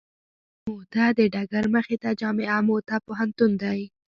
د موته د ډګر مخې ته جامعه موته پوهنتون دی.